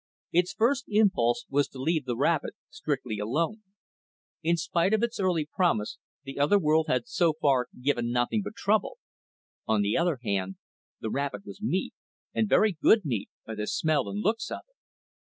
Its first impulse was to leave the rabbit strictly alone. In spite of its early promise, the other world had so far given nothing but trouble. On the other hand, the rabbit was meat, and very good meat, by the smell and looks of it....